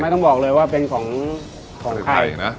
ไม่ต้องบอกเลยว่าเป็นของใคร